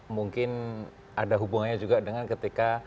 mungkin ada hubungannya juga dengan ketika